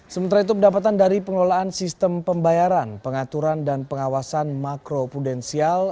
sementara itu pendapatan dari pengelolaan sistem pembayaran pengaturan dan pengawasan makro prudensial